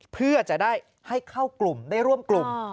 เพื่อจะได้ให้เข้ากลุ่มได้ร่วมกลุ่ม